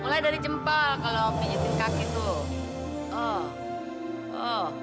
mulai dari jempa kalau pijetin kaki tuh